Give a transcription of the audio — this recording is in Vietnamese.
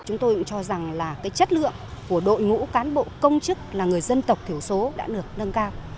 chúng tôi cũng cho rằng là cái chất lượng của đội ngũ cán bộ công chức là người dân tộc thiểu số đã được nâng cao